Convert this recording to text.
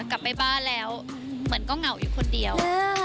กลับไปบ้านแล้วเหมือนก็เหงาอยู่คนเดียว